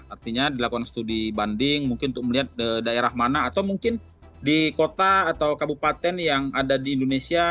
artinya dilakukan studi banding mungkin untuk melihat daerah mana atau mungkin di kota atau kabupaten yang ada di indonesia